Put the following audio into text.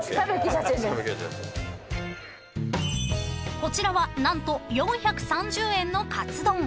［こちらは何と４３０円のかつ丼］